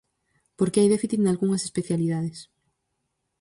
¿Por que hai déficit nalgunhas especialidades?